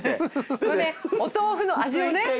お豆腐の味をね？